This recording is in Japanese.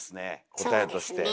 答えとして。